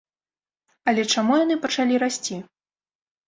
Але чаму яны пачалі расці?